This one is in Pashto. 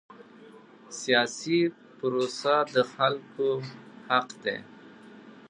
سیاسي پروسه د خلکو حق دی